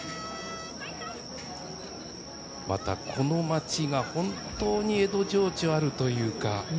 また、この町が本当に江戸情緒あるというか。